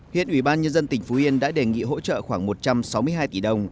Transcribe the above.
hiện ủy ban nhân dân tỉnh phú yên đã đề nghị hỗ trợ khoảng một trăm sáu mươi hai tỷ đồng